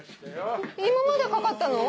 今までかかったの？